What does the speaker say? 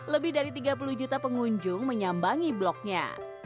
lebih dari tiga puluh juta pengunjung menyambangi bloknya